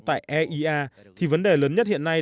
tại eia thì vấn đề lớn nhất hiện nay